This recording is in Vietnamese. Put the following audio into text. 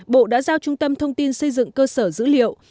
bộ đã giao trung tâm thông tin xây dựng cơ sở dữ liệu